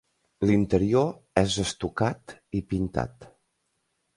L'interior és estucat i pintat.